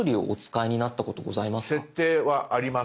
「設定」はあります。